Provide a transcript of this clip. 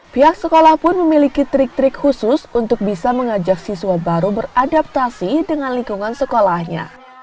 pihak sekolah pun memiliki trik trik khusus untuk bisa mengajak siswa baru beradaptasi dengan lingkungan sekolahnya